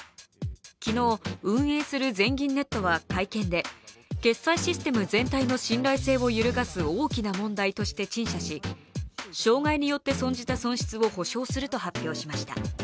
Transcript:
昨日、運営する全銀ネットは会見で、決済システム全体の信頼性を揺るがす大きな問題として陳謝し障害によって生じた損失を補償すると発表しました。